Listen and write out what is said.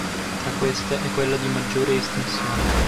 Tra queste è quella di maggiore estensione.